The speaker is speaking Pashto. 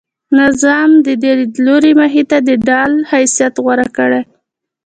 نظام د دې لیدلوري مخې ته د ډال حیثیت غوره کړی.